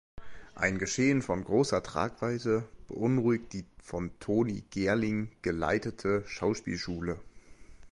Ein Geschehen von großer Tragweite beunruhigt die von Toni Gerling geleitete Schauspielschule.